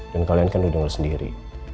dan kalian kan udah gak ada sendiri